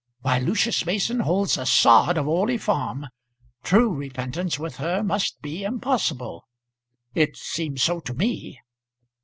While Lucius Mason holds a sod of Orley Farm, true repentance with her must be impossible. It seems so to me."